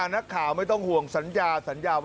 นักข่าวไม่ต้องห่วงสัญญา